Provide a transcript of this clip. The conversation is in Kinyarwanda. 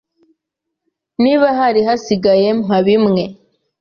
Niba hari hasigaye, mpa bimwe.